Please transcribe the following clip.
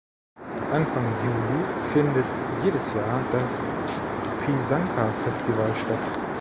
Anfang Juli findet jedes Jahr das "Pysanka-Festival" statt.